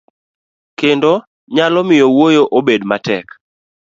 kendo nyalo miyo wuoyo obed matek.